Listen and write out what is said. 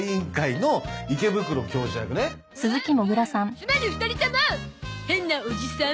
つまり２人とも変なおじさん。